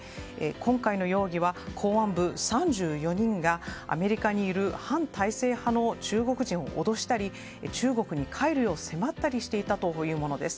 今回の容疑は公安部３４人がアメリカにいる反体制派の中国人を脅したり中国に帰るよう迫ったりしていたというものです。